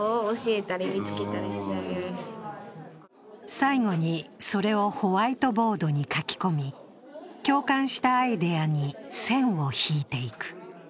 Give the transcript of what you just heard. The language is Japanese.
最後にそれをホワイトボードに書き込み共感したアイデアに線を引いていく。